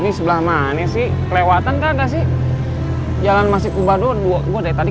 om ini sebelah mana sih kelewatan nggak ada sih jalan masih berubah doang gua dari tadi